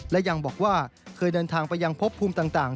และยังบอกว่าเคยเดินทางไปยังพบภูมิต่าง